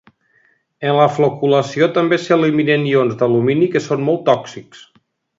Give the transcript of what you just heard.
En la floculació també s'eliminen ions d'alumini que són molt tòxics.